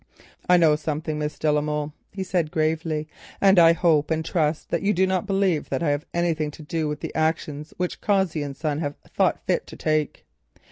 "I know something, Miss de la Molle," said he gravely, "and I hope and trust you do not believe that I have anything to do with the action which Cossey and Son have thought fit to take."